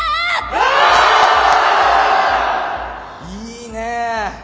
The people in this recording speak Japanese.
いいね。